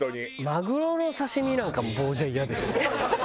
マグロの刺身なんかも棒じゃイヤでしょ。